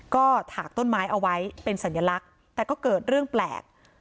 ก็ถากต้นไม้เอาไว้เป็นสัญลักษณ์แต่ก็เกิดเรื่องแปลก